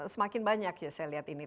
semakin banyak ya saya lihat ini